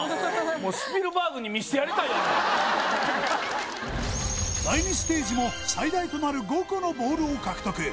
もうスピルバーグに見せてやりたい第２ステージも最大となる５個のボールを獲得